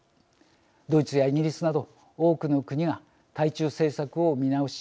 ドイツやイギリスなど多くの国が対中政策を見直し